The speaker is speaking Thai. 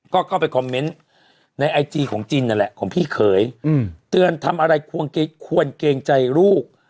ก็เข้าไปคอมเมนต์ในไอจีของจินนั่นแหละของพี่เขยเตือนทำอะไรควรเกรงใจลูก